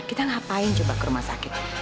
kita ngapain coba ke rumah sakit